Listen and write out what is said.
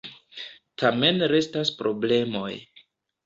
Tamen restas problemoj.